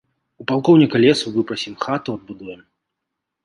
У палкоўніка лесу выпрасім, хату адбудуем.